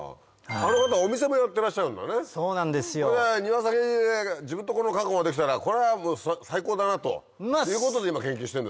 これ庭先で自分んとこのカカオできたらこれはもう最高だなということで今研究してるんですね。